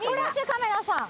カメラさん。